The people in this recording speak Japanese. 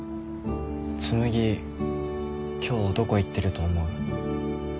紬今日どこ行ってると思う？